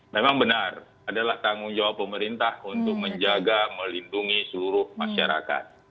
memang benar adalah tanggung jawab pemerintah untuk menjaga melindungi seluruh masyarakat